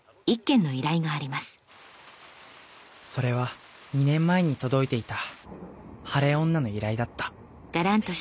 それは２年前に届いていた晴れ女の依頼だった